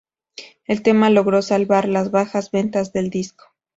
El tema logró salvar las bajas ventas del disco.